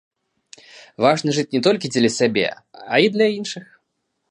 Важна жыць не толькі дзеля сябе, а і для іншых.